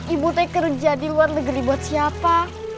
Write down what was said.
ibu teh kerja di luar negeri buat siapa